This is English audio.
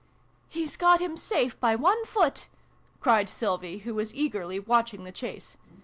" He's got him safe, by one foot !" cried Sylvie, who was eagerly watching the chase.